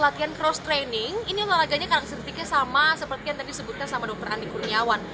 latihan cross training ini olahraganya karakteristiknya sama seperti yang tadi disebutkan sama dokter andi kurniawan